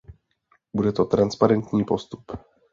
Bude to transparentní postup.